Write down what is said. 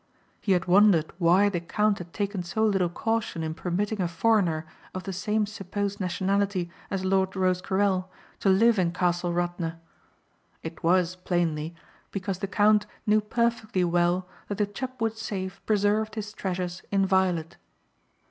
He had wondered why the count had taken so little caution in permitting a foreigner of the same supposed nationality as Lord Rosecarrel to live in Castle Radna. It was, plainly, because the count knew perfectly well that the Chubbwood safe preserved his treasures inviolate.